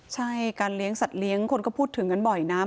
ใช่การเลี้ยงสัตว์เลี้ยงคนก็พูดถึงกันบ่อยนะ